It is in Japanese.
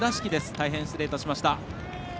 大変失礼いたしました。